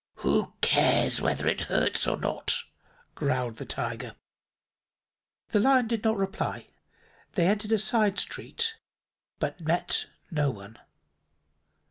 "Who cares whether it hurts or not?" growled the Tiger. The Lion did not reply. They entered a side street, but met no one.